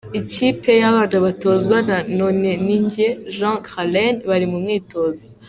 Ikipe y’abana batozwa na Noneninjye Jean Crallene bari mu mwitozo.